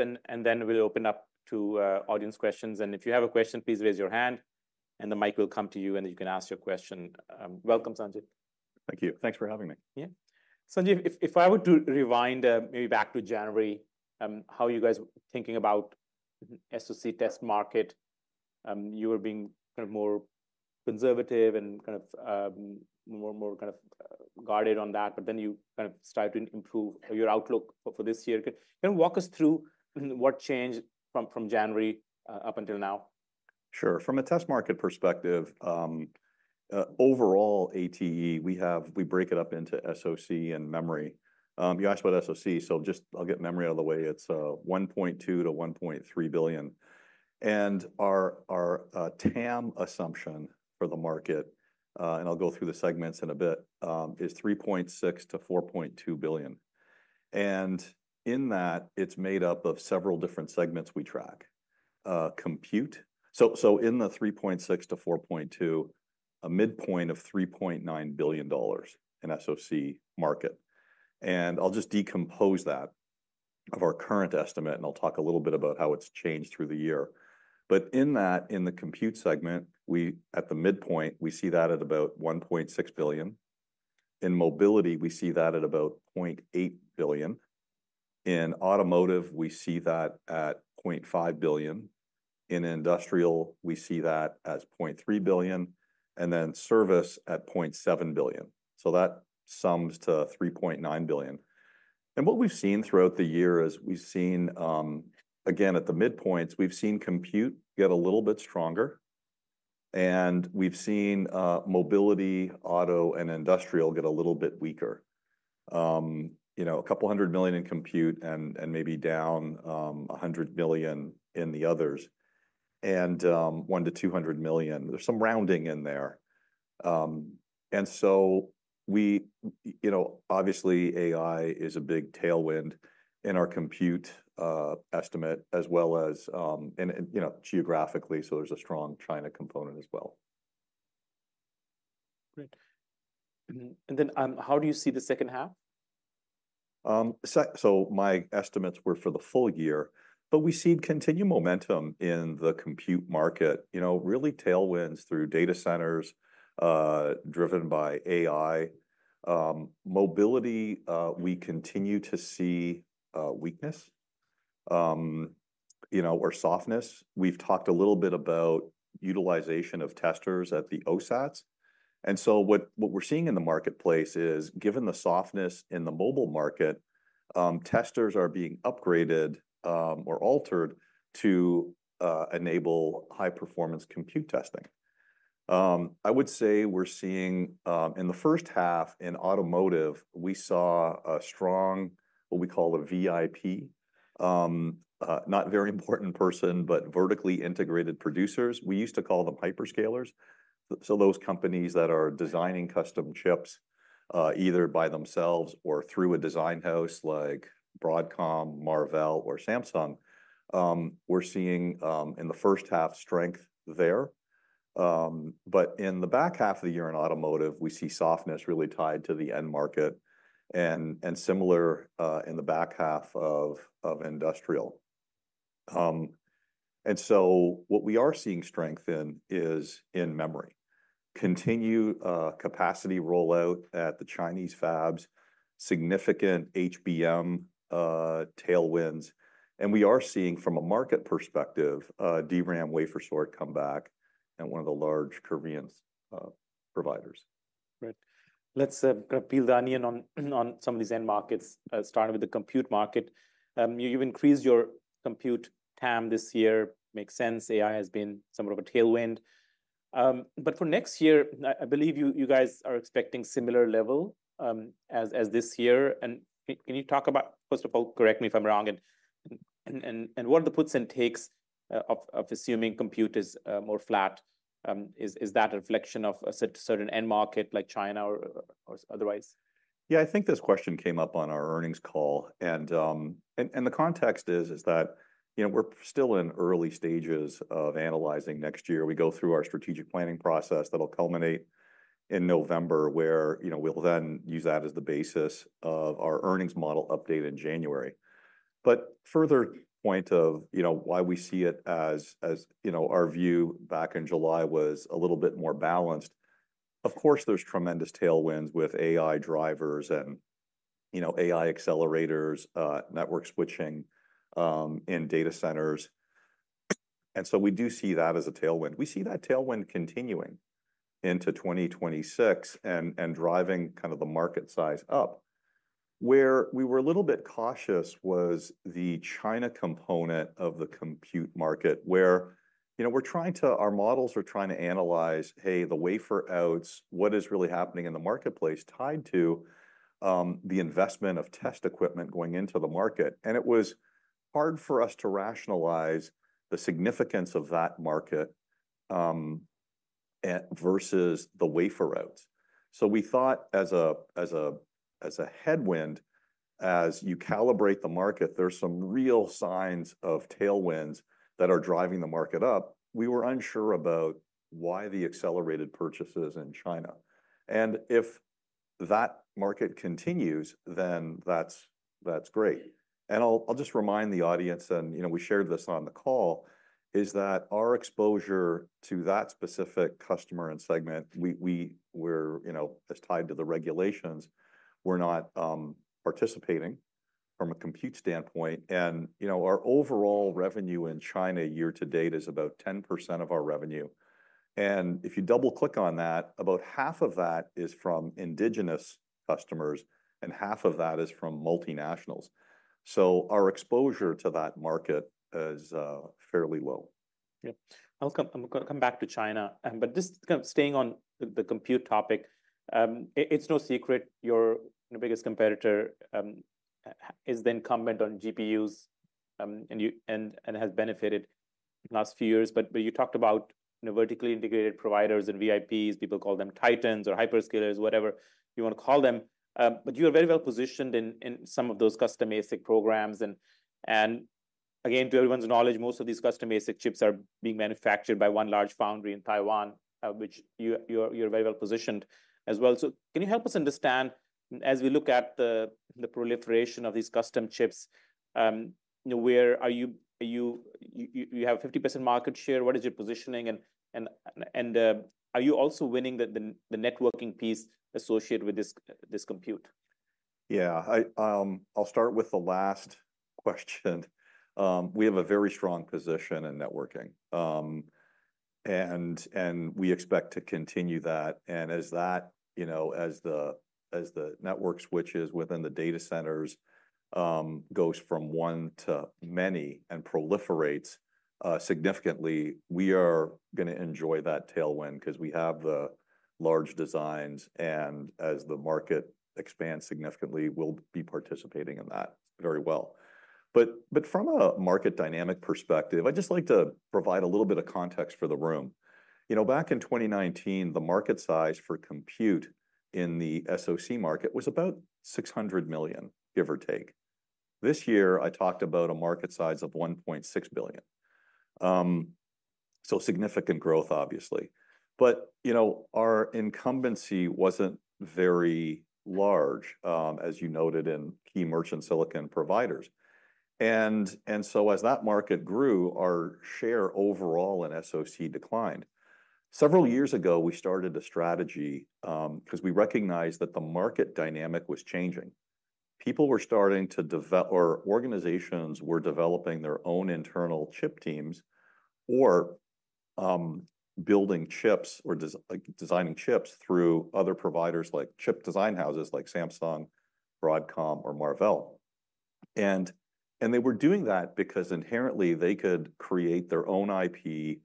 And then we'll open up to audience questions. And if you have a question, please raise your hand, and the mic will come to you, and you can ask your question. Welcome, Sanjay. Thank you. Thanks for having me. Yeah. Sanjay, if I were to rewind, maybe back to January, how are you guys thinking about SoC test market? You were being kind of more conservative and kind of, more and more kind of, guarded on that, but then you kind of started to improve your outlook for this year. Can you walk us through what changed from January up until now? Sure. From a test market perspective, overall ATE, we break it up into SoC and memory. You asked about SoC, so just I'll get memory out of the way. It's $1.2-$1.3 billion, and our TAM assumption for the market, and I'll go through the segments in a bit, is $3.6-$4.2 billion. And in that, it's made up of several different segments we track. Compute. So in the $3.6-$4.2, a midpoint of $3.9 billion dollars in SoC market, and I'll just decompose that of our current estimate, and I'll talk a little bit about how it's changed through the year. But in that, in the compute segment, we, at the midpoint, we see that at about $1.6 billion. In mobility, we see that at about $0.8 billion. In automotive, we see that at $0.5 billion. In industrial, we see that as $0.3 billion, and then service at $0.7 billion. So that sums to $3.9 billion. And what we've seen throughout the year is we've seen, again, at the midpoints, we've seen compute get a little bit stronger, and we've seen mobility, auto, and industrial get a little bit weaker. You know, a couple hundred million in compute and maybe down a hundred million in the others, and one to two hundred million. There's some rounding in there. And so we, you know, obviously, AI is a big tailwind in our compute estimate, as well as, and you know, geographically, so there's a strong China component as well. Great. And then, how do you see the second half? So my estimates were for the full year, but we see continued momentum in the compute market. You know, really tailwinds through data centers, driven by AI. Mobility, we continue to see weakness, you know, or softness. We've talked a little bit about utilization of testers at the OSATs, and so what we're seeing in the marketplace is, given the softness in the mobile market, testers are being upgraded or altered to enable high-performance compute testing. I would say we're seeing, in the first half in automotive, we saw a strong, what we call a VIP, not very important person, but vertically integrated producers. We used to call them hyperscalers. So those companies that are designing custom chips, either by themselves or through a design house like Broadcom, Marvell, or Samsung, we're seeing in the first half strength there. But in the back half of the year in automotive, we see softness really tied to the end market and similar in the back half of industrial. And so what we are seeing strength in is in memory: continued capacity rollout at the Chinese fabs, significant HBM tailwinds, and we are seeing from a market perspective DRAM wafer sort come back in one of the large Korean providers. Right. Let's peel the onion on some of these end markets, starting with the compute market. You've increased your compute TAM this year. Makes sense. AI has been somewhat of a tailwind. But for next year, I believe you guys are expecting similar level as this year, and can you talk about, first of all, correct me if I'm wrong, and what are the puts and takes of assuming compute is more flat? Is that a reflection of a certain end market like China or otherwise? Yeah, I think this question came up on our earnings call, and the context is that, you know, we're still in early stages of analyzing next year. We go through our strategic planning process that'll culminate in November, where, you know, we'll then use that as the basis of our earnings model update in January. But further point of, you know, why we see it as, you know, our view back in July was a little bit more balanced. Of course, there's tremendous tailwinds with AI drivers and, you know, AI accelerators, network switching, in data centers, and so we do see that as a tailwind. We see that tailwind continuing into 2026 and driving kind of the market size up. Where we were a little bit cautious was the China component of the compute market, where, you know, we're trying to—our models are trying to analyze, hey, the wafer outs, what is really happening in the marketplace tied to the investment of test equipment going into the market. And it was hard for us to rationalize the significance of that market versus the wafer outs. So we thought as a headwind, as you calibrate the market, there's some real signs of tailwinds that are driving the market up. We were unsure about why the accelerated purchases in China, and if that market continues, then that's great. And I'll just remind the audience, and, you know, we shared this on the call, is that our exposure to that specific customer and segment, we're, you know, it's tied to the regulations. We're not participating from a compute standpoint. And, you know, our overall revenue in China year to date is about 10% of our revenue. And if you double-click on that, about half of that is from indigenous customers, and half of that is from multinationals. So our exposure to that market is fairly low. Yeah. I'm gonna come back to China. But just kind of staying on the compute topic, it's no secret your biggest competitor is the incumbent on GPUs and has benefited the last few years. But you talked about, you know, vertically integrated providers and VIPs, people call them titans or hyperscalers, whatever you wanna call them. But you are very well positioned in some of those custom ASIC programs. And again, to everyone's knowledge, most of these custom ASIC chips are being manufactured by one large foundry in Taiwan, which you're very well positioned as well. So can you help us understand, as we look at the proliferation of these custom chips, you know, where are you? You have 50% market share? What is your positioning, and are you also winning the networking piece associated with this compute? Yeah. I'll start with the last question. We have a very strong position in networking. And we expect to continue that. And as that, you know, as the network switches within the data centers goes from one to many and proliferates significantly, we are gonna enjoy that tailwind 'cause we have the large designs, and as the market expands significantly, we'll be participating in that very well. But from a market dynamic perspective, I'd just like to provide a little bit of context for the room. You know, back in twenty nineteen, the market size for compute in the SoC market was about $600 million, give or take. This year, I talked about a market size of $1.6 billion. So significant growth, obviously. But, you know, our incumbency wasn't very large, as you noted in key merchant silicon providers. And so as that market grew, our share overall in SoC declined. Several years ago, we started a strategy, 'cause we recognized that the market dynamic was changing. People were starting to or organizations were developing their own internal chip teams or, building chips or like, designing chips through other providers, like chip design houses like Samsung, Broadcom, or Marvell. And they were doing that because inherently they could create their own IP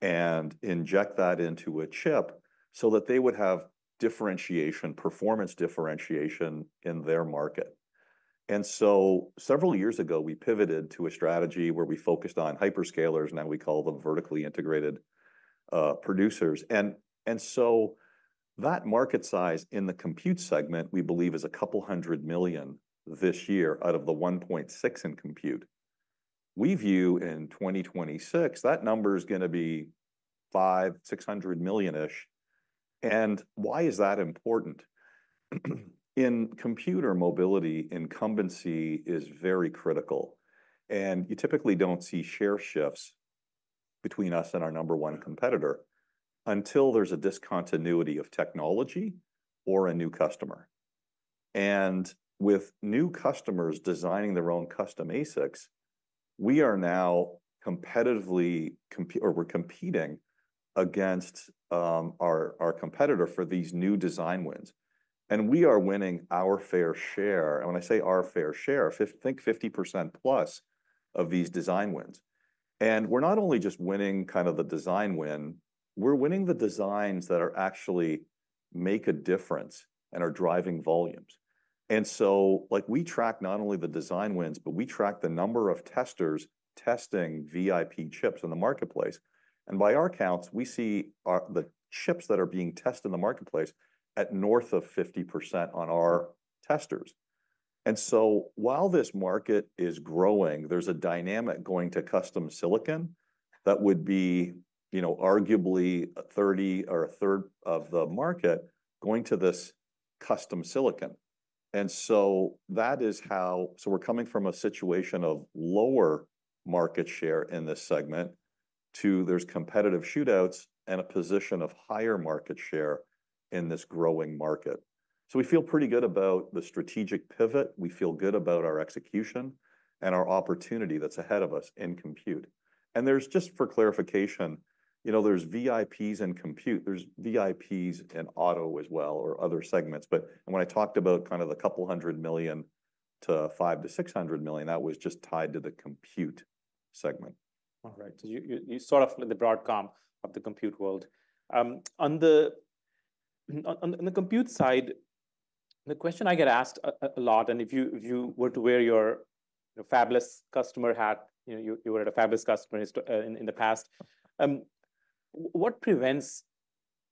and inject that into a chip, so that they would have differentiation, performance differentiation in their market. And so several years ago, we pivoted to a strategy where we focused on hyperscalers, now we call them vertically integrated producers. That market size in the compute segment, we believe, is a couple hundred million this year out of the $1.6 billion in compute. We view in 2026, that number is gonna be 500-600 million-ish. Why is that important? In computer mobility, incumbency is very critical, and you typically don't see share shifts between us and our number one competitor until there's a discontinuity of technology or a new customer. With new customers designing their own custom ASICs, we are now competing against our competitor for these new design wins, and we are winning our fair share. When I say our fair share, think 50% plus of these design wins. We're not only just winning kind of the design win. We're winning the designs that are actually make a difference and are driving volumes. And so, like, we track not only the design wins, but we track the number of testers testing VIP chips in the marketplace. And by our counts, we see our, the chips that are being tested in the marketplace at north of 50% on our testers. And so while this market is growing, there's a dynamic going to custom silicon that would be, you know, arguably 30% or a third of the market going to this custom silicon. And so that is how... So we're coming from a situation of lower market share in this segment to there's competitive shootouts and a position of higher market share in this growing market. So we feel pretty good about the strategic pivot. We feel good about our execution and our opportunity that's ahead of us in compute. There's, just for clarification, you know, there's VIPs in compute, there's VIPs in auto as well, or other segments, but, and when I talked about kind of $200 million to $500-$600 million, that was just tied to the compute segment. All right, so you sort of the Broadcom of the compute world. On the compute side, the question I get asked a lot, and if you were to wear your fabless customer hat, you know, you were a fabless customer in the past, what prevents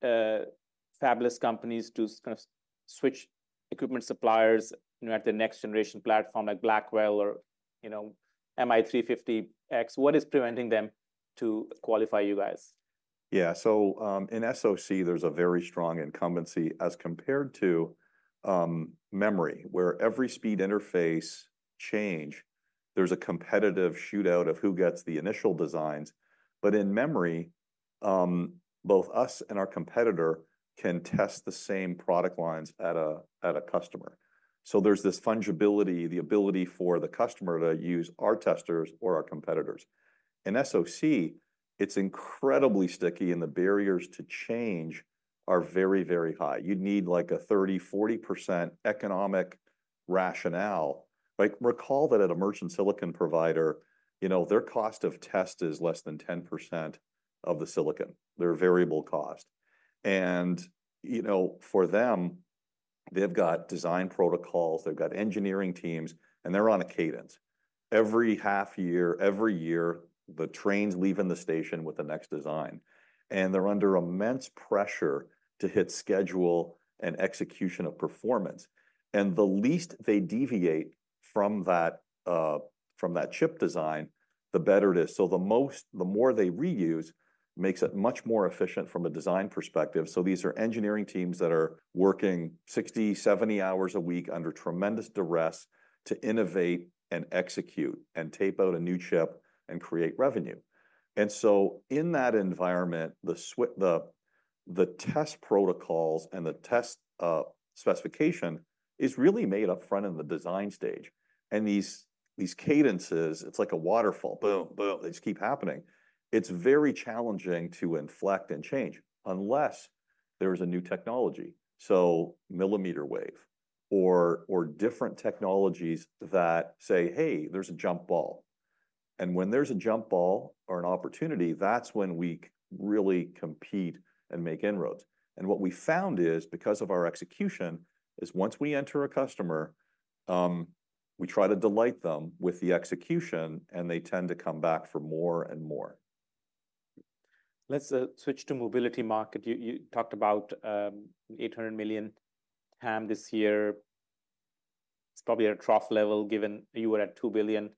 fabless companies to kind of switch equipment suppliers, you know, at the next generation platform like Blackwell or, you know, MI350X? What is preventing them to qualify you guys?... Yeah, so, in SoC there's a very strong incumbency as compared to memory, where every speed interface change, there's a competitive shootout of who gets the initial designs. But in memory, both us and our competitor can test the same product lines at a customer. So there's this fungibility, the ability for the customer to use our testers or our competitor's. In SoC, it's incredibly sticky, and the barriers to change are very, very high. You'd need, like, a 30%-40% economic rationale. Like, recall that at a merchant silicon provider, you know, their cost of test is less than 10% of the silicon, their variable cost. And, you know, for them, they've got design protocols, they've got engineering teams, and they're on a cadence. Every half year, every year, the train's leaving the station with the next design, and they're under immense pressure to hit schedule and execution of performance. And the least they deviate from that, from that chip design, the better it is. So the more they reuse makes it much more efficient from a design perspective. So these are engineering teams that are working sixty, seventy hours a week under tremendous duress to innovate and execute and tape out a new chip and create revenue. And so in that environment, the test protocols and the test specification is really made up front in the design stage. And these cadences, it's like a waterfall, boom, boom, they just keep happening. It's very challenging to inflect and change unless there is a new technology. Millimeter wave or different technologies that say, "Hey, there's a jump ball." And when there's a jump ball or an opportunity, that's when we really compete and make inroads. And what we found is, because of our execution, once we enter a customer, we try to delight them with the execution, and they tend to come back for more and more. Let's switch to mobility market. You talked about 800 million HBM this year. It's probably at a trough level, given you were at two billion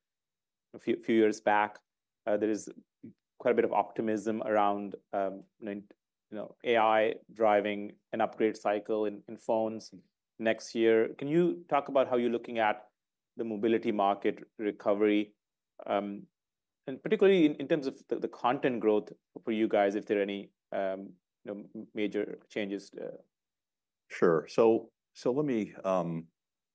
a few years back. There is quite a bit of optimism around, you know, AI driving an upgrade cycle in phones next year. Can you talk about how you're looking at the mobility market recovery, and particularly in terms of the content growth for you guys, if there are any, you know, major changes? Sure. So let me.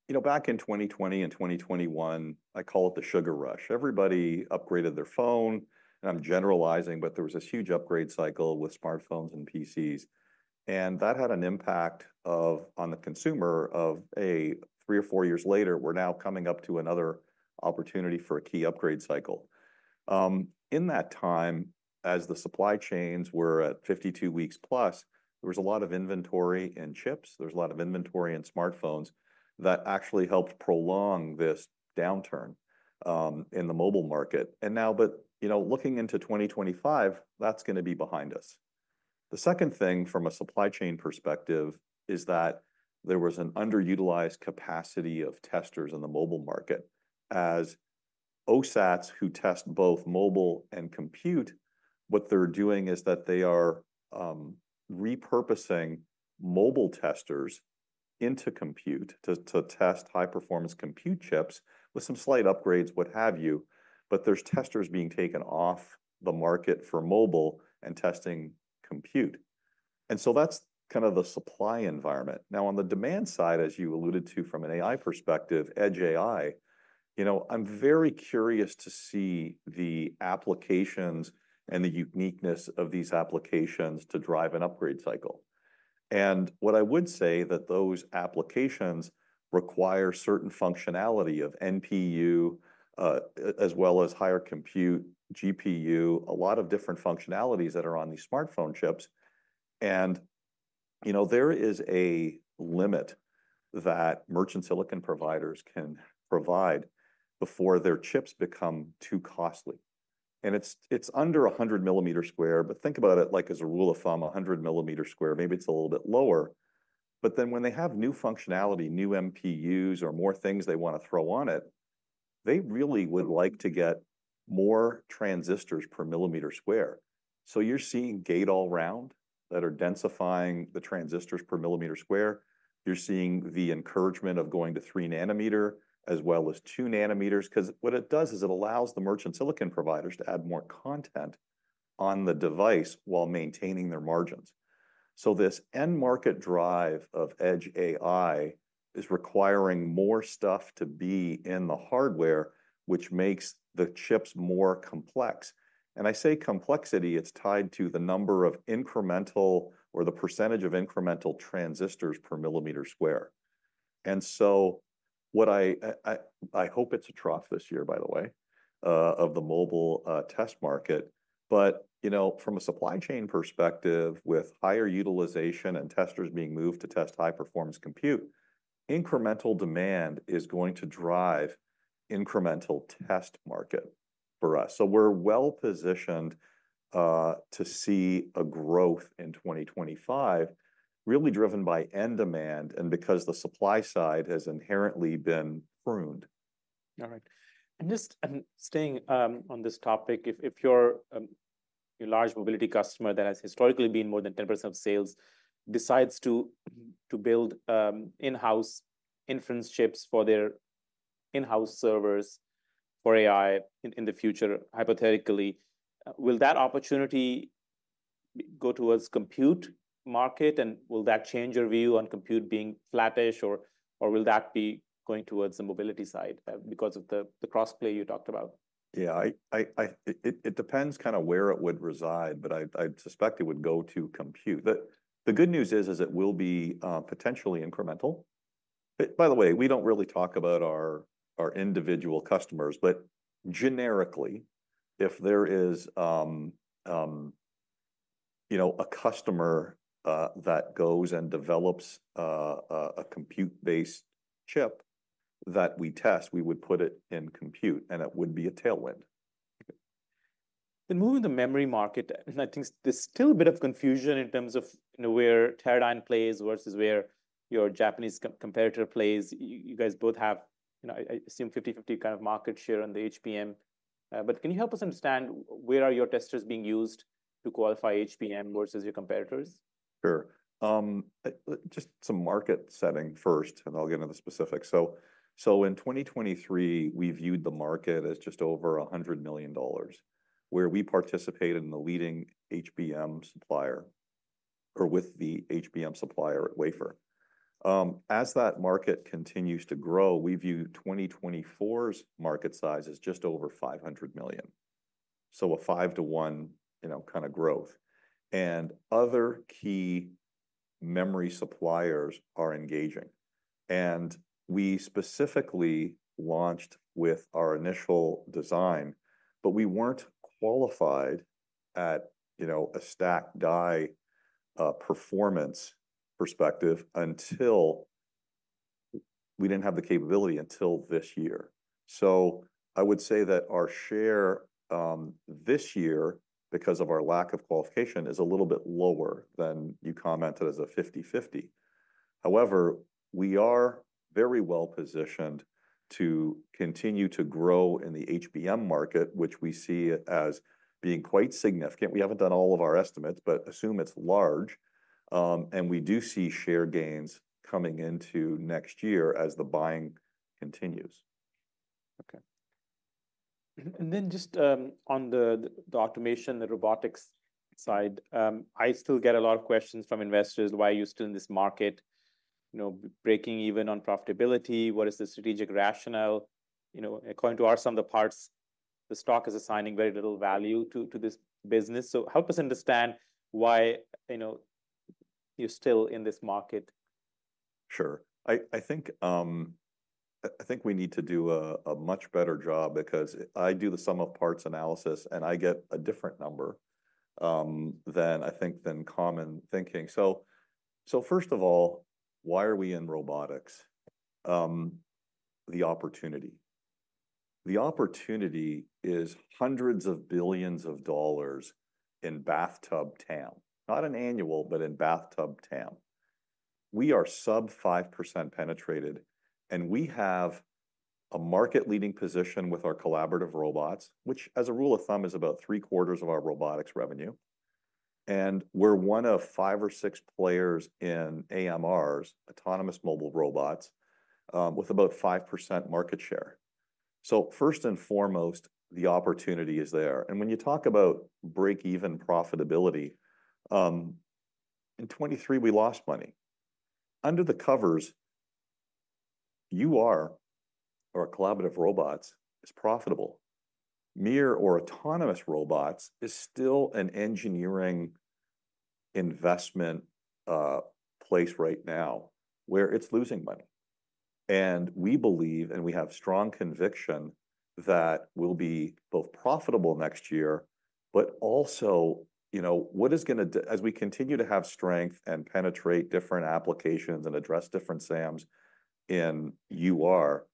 You know, back in 2020 and 2021, I call it the sugar rush. Everybody upgraded their phone, and I'm generalizing, but there was this huge upgrade cycle with smartphones and PCs, and that had an impact on the consumer. A three or four years later, we're now coming up to another opportunity for a key upgrade cycle. In that time, as the supply chains were at 52 weeks plus, there was a lot of inventory in chips. There was a lot of inventory in smartphones that actually helped prolong this downturn in the mobile market. And now, you know, looking into 2025, that's gonna be behind us. The second thing, from a supply chain perspective, is that there was an underutilized capacity of testers in the mobile market. As OSATs who test both mobile and compute, what they're doing is that they are repurposing mobile testers into compute to test high-performance compute chips with some slight upgrades, what have you, but there's testers being taken off the market for mobile and testing compute. And so that's kind of the supply environment. Now, on the demand side, as you alluded to from an AI perspective, edge AI, you know, I'm very curious to see the applications and the uniqueness of these applications to drive an upgrade cycle. And what I would say, that those applications require certain functionality of NPU as well as higher compute, GPU, a lot of different functionalities that are on these smartphone chips. And, you know, there is a limit that merchant silicon providers can provide before their chips become too costly, and it's under 100 millimeter square. But think about it, like, as a rule of thumb, a hundred square millimeters, maybe it's a little bit lower. But then, when they have new functionality, new MPUs or more things they want to throw on it, they really would like to get more transistors per square millimeter. So you're seeing gate-all-around that are densifying the transistors per square millimeter. You're seeing the encouragement of going to three nanometer as well as two nanometers, 'cause what it does is it allows the merchant silicon providers to add more content on the device while maintaining their margins. So this end market drive of edge AI is requiring more stuff to be in the hardware, which makes the chips more complex. And I say complexity, it's tied to the number of incremental or the percentage of incremental transistors per square millimeter. And so what I hope it's a trough this year, by the way, of the mobile test market. But, you know, from a supply chain perspective, with higher utilization and testers being moved to test high-performance compute, incremental demand is going to drive incremental test market for us. So we're well positioned to see a growth in 2025, really driven by end demand and because the supply side has inherently been pruned.... All right. And just, and staying on this topic, if your large mobility customer that has historically been more than 10% of sales decides to build in-house inference chips for their in-house servers for AI in the future, hypothetically, will that opportunity go towards compute market? And will that change your view on compute being flattish, or will that be going towards the mobility side because of the cross play you talked about? Yeah, it depends kind of where it would reside, but I'd suspect it would go to compute. The good news is it will be potentially incremental. But by the way, we don't really talk about our individual customers, but generically, if there is you know a customer that goes and develops a compute-based chip that we test, we would put it in compute, and it would be a tailwind. Moving the memory market, and I think there's still a bit of confusion in terms of, you know, where Teradyne plays versus where your Japanese competitor plays. You guys both have, you know, I assume, 50/50 kind of market share on the HBM. But can you help us understand where are your testers being used to qualify HBM versus your competitors? Sure. Just some market setting first, and I'll get into the specifics. So in 2023, we viewed the market as just over $100 million, where we participated in the leading HBM supplier or with the HBM supplier at wafer. As that market continues to grow, we view 2024's market size as just over $500 million. So a 5-1, you know, kind of growth. And other key memory suppliers are engaging. And we specifically launched with our initial design, but we weren't qualified at, you know, a stack die performance perspective until... We didn't have the capability until this year. So I would say that our share this year, because of our lack of qualification, is a little bit lower than you commented as a 50/50. However, we are very well positioned to continue to grow in the HBM market, which we see as being quite significant. We haven't done all of our estimates, but assume it's large, and we do see share gains coming into next year as the buying continues. Okay. And then just on the automation, the robotics side, I still get a lot of questions from investors: "Why are you still in this market?" You know, breaking even on profitability, what is the strategic rationale? You know, according to our sum of the parts, the stock is assigning very little value to this business. So help us understand why, you know, you're still in this market. Sure. I think we need to do a much better job because I do the sum of parts analysis, and I get a different number than common thinking. So first of all, why are we in robotics? The opportunity. The opportunity is hundreds of billions of dollars in bathtub TAM, not in annual, but in bathtub TAM. We are sub 5% penetrated, and we have a market-leading position with our collaborative robots, which, as a rule of thumb, is about three-quarters of our robotics revenue. And we're one of five or six players in AMRs, Autonomous Mobile Robots, with about 5% market share. So first and foremost, the opportunity is there. And when you talk about break-even profitability, in 2023, we lost money. Under the covers, UR, or collaborative robots, is profitable. MiR, or autonomous robots, is still an engineering investment place right now, where it's losing money. And we believe, and we have strong conviction, that we'll be both profitable next year, but also, you know, as we continue to have strength and penetrate different applications and address different SAMs in UR,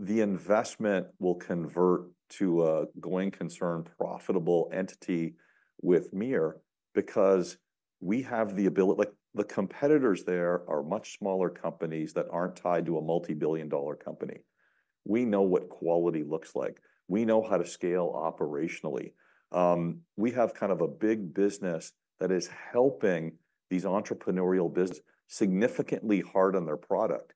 the investment will convert to a going concern, profitable entity with MiR because we have like, the competitors there are much smaller companies that aren't tied to a multi-billion dollar company. We know what quality looks like. We know how to scale operationally. We have kind of a big business that is helping these entrepreneurial business significantly hard on their product.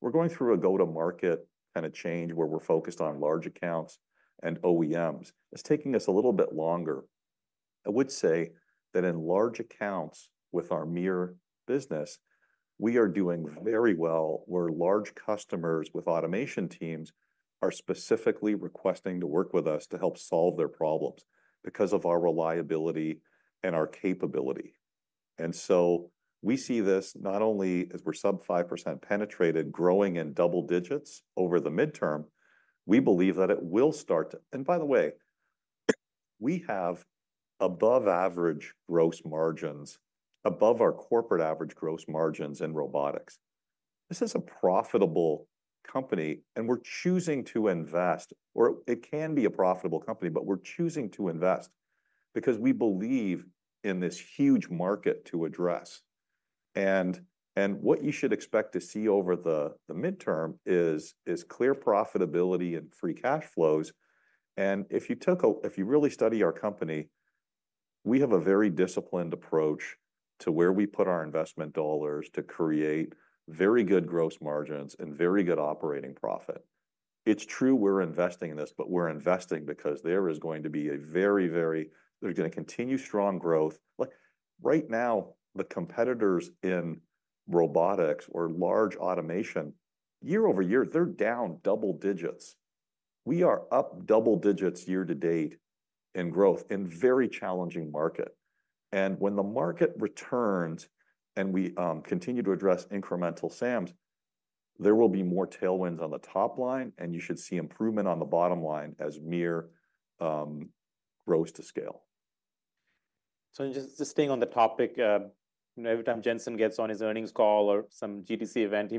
We're going through a go-to-market kind of change, where we're focused on large accounts and OEMs. It's taking us a little bit longer. I would say that in large accounts with our MiR business, we are doing very well, where large customers with automation teams are specifically requesting to work with us to help solve their problems because of our reliability and our capability. And so we see this not only as we're sub 5% penetrated, growing in double digits over the midterm, we believe that it will start to. And by the way, we have above average gross margins, above our corporate average gross margins in robotics. This is a profitable company, and we're choosing to invest, or it can be a profitable company, but we're choosing to invest because we believe in this huge market to address.... and what you should expect to see over the midterm is clear profitability and free cash flows. If you really study our company, we have a very disciplined approach to where we put our investment dollars to create very good gross margins and very good operating profit. It's true we're investing in this, but we're investing because there is going to be a very, very-- there's gonna continue strong growth. Like right now, the competitors in robotics or large automation, year over year, they're down double digits. We are up double digits year to date in growth in very challenging market. And when the market returns and we continue to address incremental SAMs, there will be more tailwinds on the top line, and you should see improvement on the bottom line as MiR grows to scale. So just staying on the topic, you know, every time Jensen gets on his earnings call or some GTC event,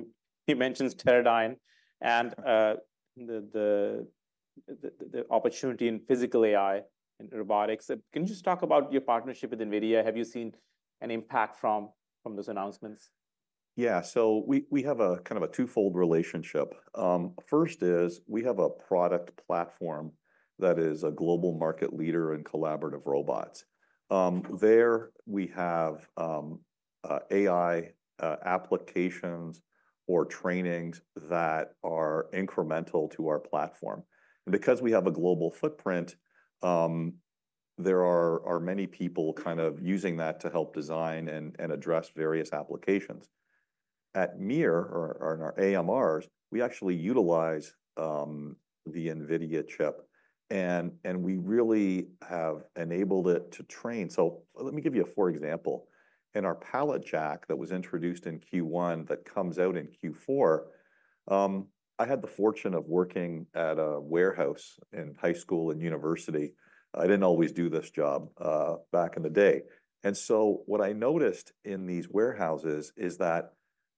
he mentions Teradyne and the opportunity in physical AI and robotics. Can you just talk about your partnership with NVIDIA? Have you seen an impact from those announcements? Yeah. So we have a kind of a twofold relationship. First is we have a product platform that is a global market leader in collaborative robots. There we have AI applications or trainings that are incremental to our platform. Because we have a global footprint, there are many people kind of using that to help design and address various applications. At MiR or in our AMRs, we actually utilize the NVIDIA chip, and we really have enabled it to train. So let me give you for example. In our pallet jack that was introduced in Q1 that comes out in Q4, I had the fortune of working at a warehouse in high school and university. I didn't always do this job back in the day. And so what I noticed in these warehouses is that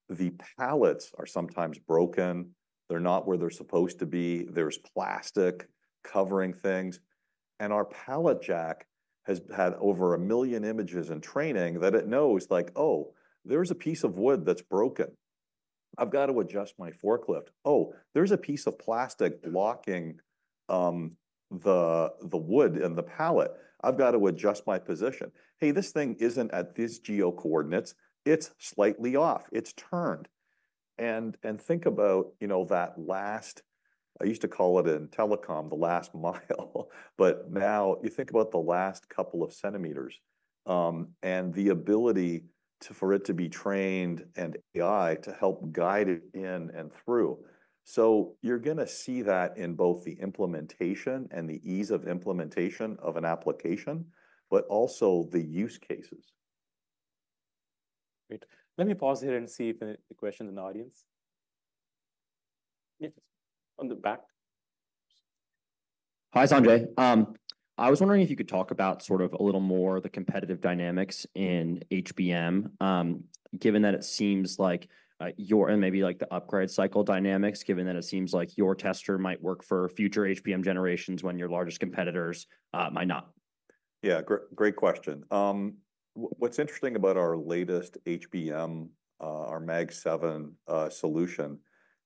the pallets are sometimes broken, they're not where they're supposed to be, there's plastic covering things, and our pallet jack has had over a million images in training that it knows, like, "Oh, there's a piece of wood that's broken. I've got to adjust my forklift. Oh, there's a piece of plastic blocking the wood in the pallet. I've got to adjust my position. Hey, this thing isn't at these geo coordinates, it's slightly off, it's turned." And think about, you know, that last. I used to call it in telecom, the last mile, but now you think about the last couple of centimeters, and the ability to, for it to be trained and AI to help guide it in and through. So you're gonna see that in both the implementation and the ease of implementation of an application, but also the use cases. Great. Let me pause here and see if any questions in the audience. Yes, on the back. Hi, Sanjay. I was wondering if you could talk about sort of a little more the competitive dynamics in HBM, given that it seems like and maybe like the upgrade cycle dynamics, given that it seems like your tester might work for future HBM generations when your largest competitors might not. Yeah, great question. What's interesting about our latest HBM, our Magnum 7, solution,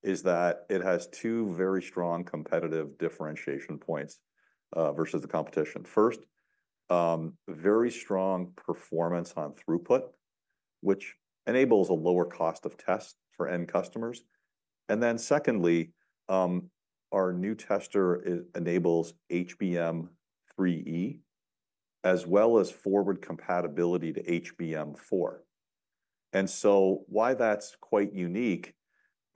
is that it has two very strong competitive differentiation points, versus the competition. First, very strong performance on throughput, which enables a lower cost of test for end customers. And then secondly, our new tester enables HBM3E, as well as forward compatibility to HBM4. And so why that's quite unique,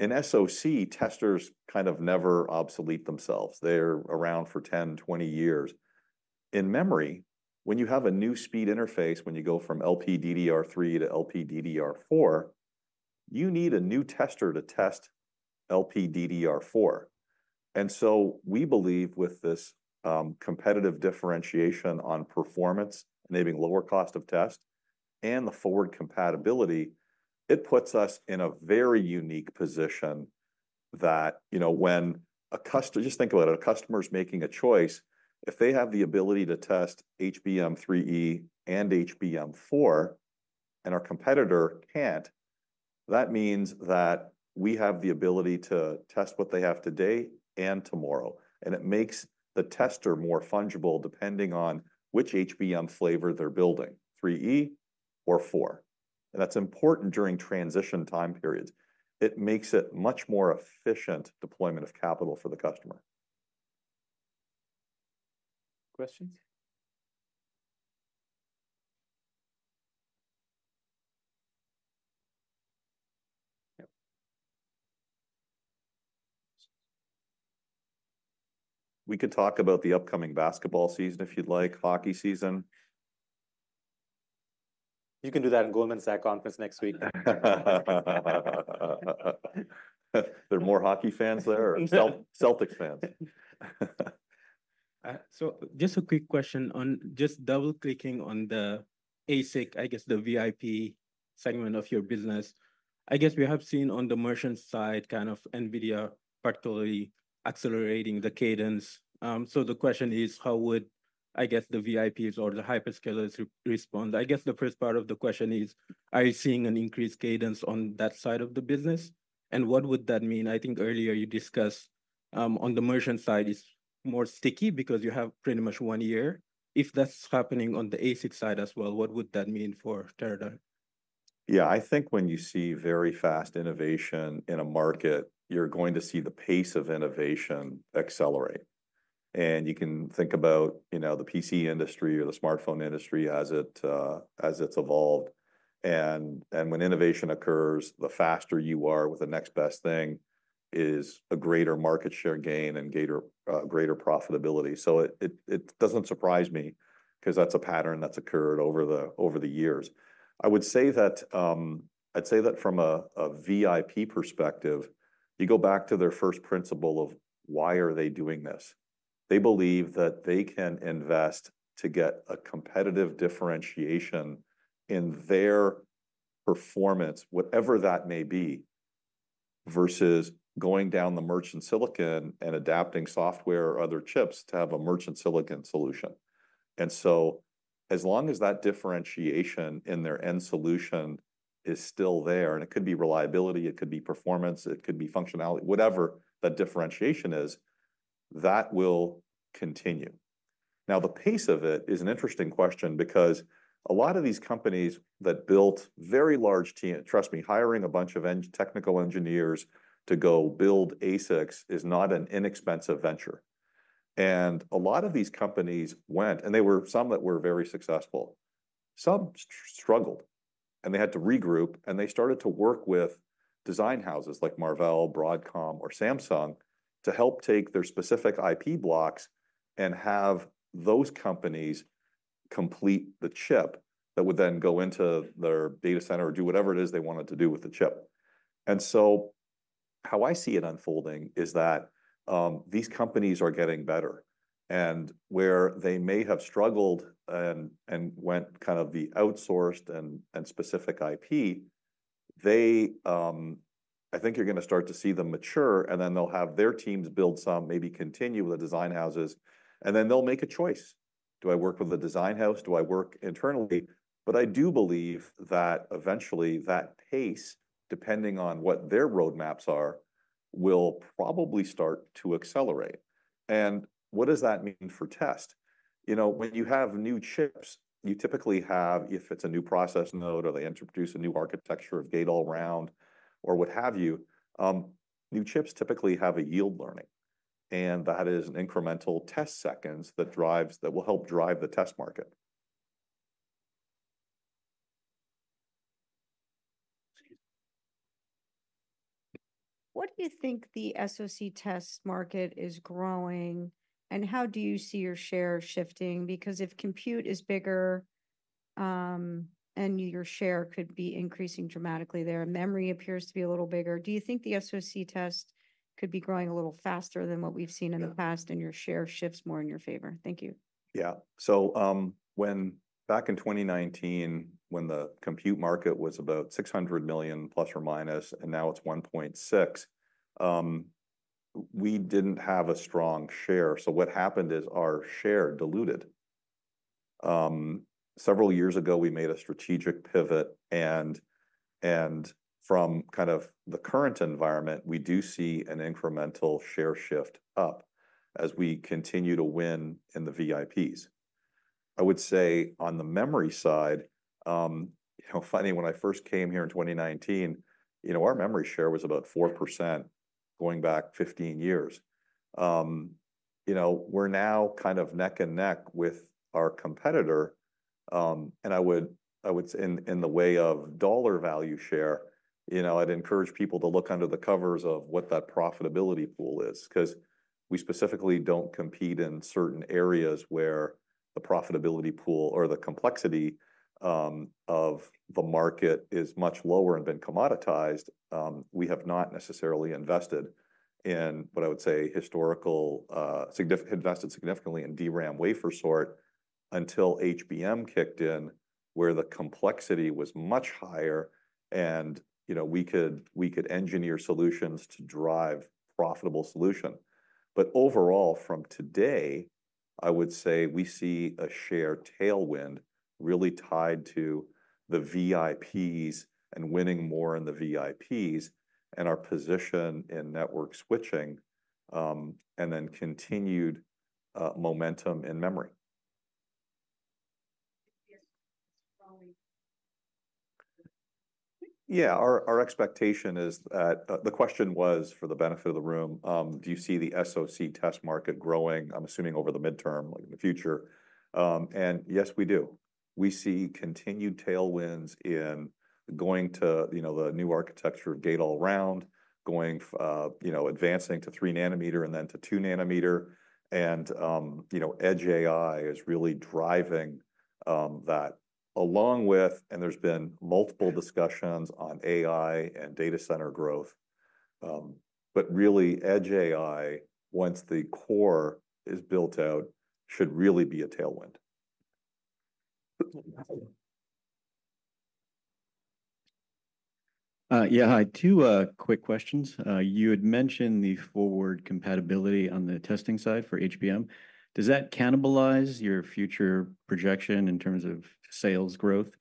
in SoC, testers kind of never obsolete themselves. They're around for 10, 20 years. In memory, when you have a new speed interface, when you go from LPDDR3 to LPDDR4, you need a new tester to test LPDDR4. And so we believe with this, competitive differentiation on performance, enabling lower cost of test and the forward compatibility, it puts us in a very unique position that, you know, when a customer, just think about it, a customer's making a choice, if they have the ability to test HBM3E and HBM4, and our competitor can't, that means that we have the ability to test what they have today and tomorrow. And it makes the tester more fungible, depending on which HBM flavor they're building, 3E or 4. And that's important during transition time periods. It makes it much more efficient deployment of capital for the customer. Questions? Yep. We could talk about the upcoming basketball season, if you'd like, hockey season. You can do that in Goldman Sachs conference next week. There are more hockey fans there or Celtic- Celtics fans? So just a quick question on just double-clicking on the ASIC, I guess, the VIP segment of your business. I guess we have seen on the merchant side, kind of NVIDIA particularly accelerating the cadence. So the question is, I guess the VIPs or the hyperscalers respond? I guess the first part of the question is: are you seeing an increased cadence on that side of the business, and what would that mean? I think earlier you discussed, on the merchant side, it's more sticky because you have pretty much one year. If that's happening on the ASIC side as well, what would that mean for Teradyne? Yeah, I think when you see very fast innovation in a market, you're going to see the pace of innovation accelerate. And you can think about, you know, the PC industry or the smartphone industry as it, as it's evolved. And when innovation occurs, the faster you are with the next best thing is a greater market share gain and greater profitability. So it doesn't surprise me 'cause that's a pattern that's occurred over the years. I would say that I'd say that from a VIP perspective, you go back to their first principle of why are they doing this? They believe that they can invest to get a competitive differentiation in their performance, whatever that may be, versus going down the merchant silicon and adapting software or other chips to have a merchant silicon solution. And so, as long as that differentiation in their end solution is still there, and it could be reliability, it could be performance, it could be functionality, whatever the differentiation is, that will continue. Now, the pace of it is an interesting question because a lot of these companies that built very large teams, trust me, hiring a bunch of engineers, technical engineers to go build ASICs is not an inexpensive venture. And a lot of these companies went, and there were some that were very successful. Some struggled, and they had to regroup, and they started to work with design houses like Marvell, Broadcom, or Samsung to help take their specific IP blocks and have those companies complete the chip that would then go into their data center or do whatever it is they wanted to do with the chip. And so, how I see it unfolding is that, these companies are getting better, and where they may have struggled and went kind of the outsourced and specific IP, they, I think you're going to start to see them mature, and then they'll have their teams build some, maybe continue with the design houses, and then they'll make a choice. Do I work with a design house? Do I work internally? But I do believe that eventually, that pace, depending on what their roadmaps are, will probably start to accelerate. And what does that mean for test? You know, when you have new chips, you typically have, if it's a new process node or they introduce a new architecture of Gate-All-Around or what have you, new chips typically have a yield learning, and that is an incremental test seconds that drives, that will help drive the test market. Excuse me. What do you think the SoC test market is growing, and how do you see your share shifting? Because if compute is bigger, and your share could be increasing dramatically there, memory appears to be a little bigger. Do you think the SoC test could be growing a little faster than what we've seen in the past- Yeah... and your share shifts more in your favor? Thank you. Yeah. So, when back in 2019, when the compute market was about $600 million+/-, and now it's $1.6 billion, we didn't have a strong share. So what happened is our share diluted. Several years ago, we made a strategic pivot, and from kind of the current environment, we do see an incremental share shift up as we continue to win in the VIPs. I would say on the memory side, you know, funny, when I first came here in 2019, you know, our memory share was about 4% going back 15 years. You know, we're now kind of neck and neck with our competitor, and I would say in the way of dollar value share, you know, I'd encourage people to look under the covers of what that profitability pool is. 'Cause we specifically don't compete in certain areas where the profitability pool or the complexity of the market is much lower and been commoditized. We have not necessarily invested in what I would say historical invested significantly in DRAM wafer sort until HBM kicked in, where the complexity was much higher and, you know, we could engineer solutions to drive profitable solution. But overall, from today, I would say we see a share tailwind really tied to the VIPs and winning more in the VIPs and our position in network switching and then continued momentum in memory. Yeah, our expectation is that the question was for the benefit of the room do you see the SoC test market growing, I'm assuming over the midterm, like in the future? Yes, we do. We see continued tailwinds in going to, you know, the new architecture of Gate-All-Around, going forward, you know, advancing to three nanometer and then to two nanometer. You know, edge AI is really driving that. Along with and there's been multiple discussions on AI and data center growth, but really edge AI, once the core is built out, should really be a tailwind. Yeah, hi, two quick questions. You had mentioned the forward compatibility on the testing side for HBM. Does that cannibalize your future projection in terms of sales growth?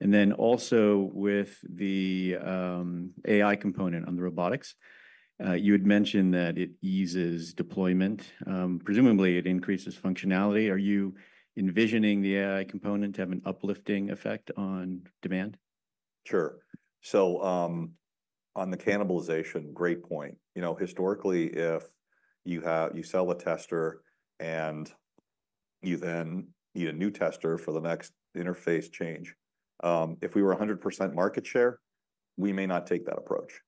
And then also, with the AI component on the robotics, you had mentioned that it eases deployment. Presumably, it increases functionality. Are you envisioning the AI component to have an uplifting effect on demand? Sure. So, on the cannibalization, great point. You know, historically, if you have you sell a tester and you then need a new tester for the next interface change, if we were 100% market share, we may not take that approach.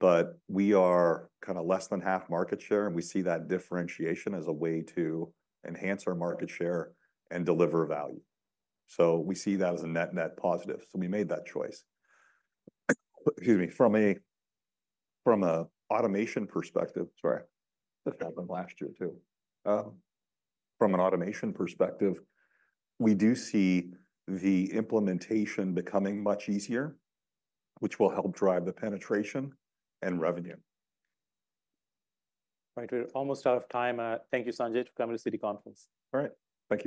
But we are kind of less than half market share, and we see that differentiation as a way to enhance our market share and deliver value. So we see that as a net, net positive, so we made that choice. Excuse me. From a automation perspective. Sorry, this happened last year too. From an automation perspective, we do see the implementation becoming much easier, which will help drive the penetration and revenue. Right, we're almost out of time. Thank you, Sanjay, for coming to Citi Conference. All right. Thank you.